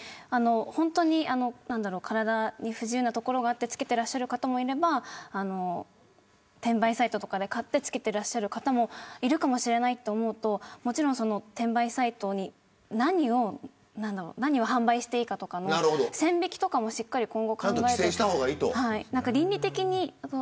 本当に体に不自由な所があって付けていらっしゃる方もいれば転売サイトとかで買って付けていらっしゃる方もいるかもしれないと思うともちろん転売サイトに何を販売していいかとかの線引きも、しっかり今後考えなければいけない。